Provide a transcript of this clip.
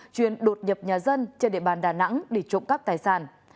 chuyên đột nhập nhà dân